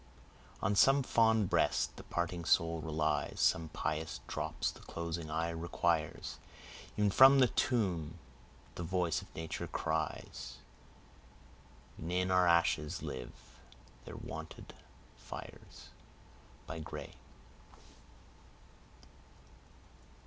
On some fond breast the parting soul relies, Some pious drops the closing eye requires, E'en from the tomb the voice of nature cries, E'en in our ashes live their wonted fires. —GRAY.